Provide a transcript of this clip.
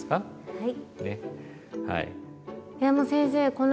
はい。